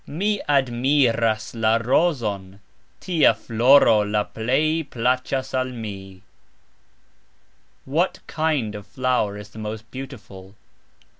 Mi admiras la rozon; "tia" floro la plej placxas al mi. "What (kind of)" flower is the most beautiful?